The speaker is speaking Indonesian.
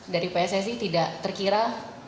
dari pssi tidak terkira